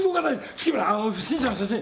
月村あの不審者の写真。